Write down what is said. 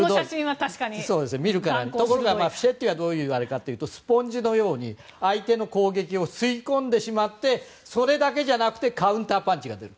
フィシェッティ氏はどういう人かというとスポンジのように相手の攻撃を吸い込んでしまってそれだけじゃなくてカウンターパンチが出る。